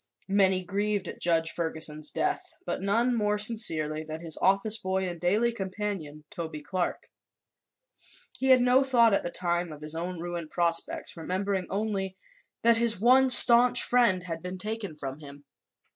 Many grieved at Judge Ferguson's death, but none more sincerely than his office boy and daily companion, Toby Clark. He had no thought, at the time, of his own ruined prospects, remembering only that his one staunch friend had been taken from him.